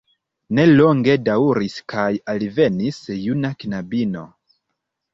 Ne longe daŭris kaj alvenis juna knabino.